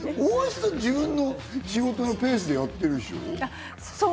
大橋さん、自分の仕事のペースでやってるでしょ？